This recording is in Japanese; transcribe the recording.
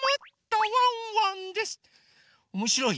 おもしろい？